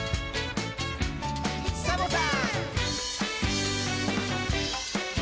サボさん！